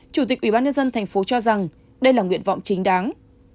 chủ tịch ubnd thành phố cho rằng đây là nguyện vọng chính đáng